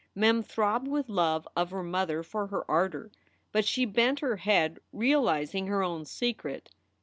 Mem throbbed with love of her mother for her ardor, but she bent her head, realizing her own secret.